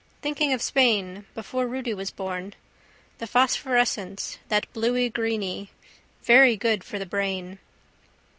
Thinking of Spain. Before Rudy was born. The phosphorescence, that bluey greeny. Very good for the brain.